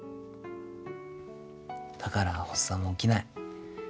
だから発作も起きない。